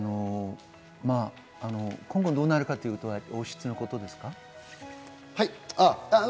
今後どうなるかということは王室のことですか？